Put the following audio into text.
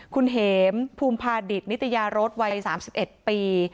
คุณเหมภูมิภาดิตนิตยารสวัย๓๑ปี